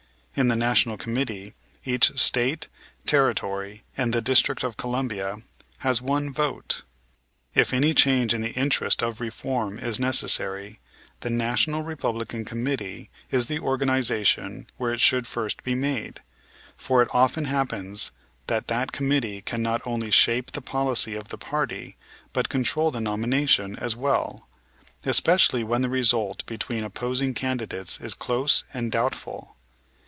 In the National Committee each State, territory, and the District of Columbia has one vote. If any change in the interest of reform is necessary, the National Republican Committee is the organization where it should first be made; for it often happens that that committee can not only shape the policy of the party but control the nomination as well, especially when the result between opposing candidates is close and doubtful.